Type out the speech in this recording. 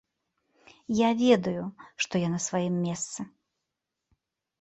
Я ведаю, што я на сваім месцы.